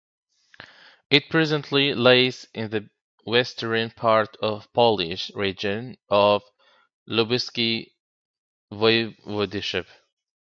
It presently lies in the western part of Polish region of Lubuskie Voivodeship.